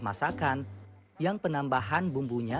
nah kita genggul dikit ya mbak ya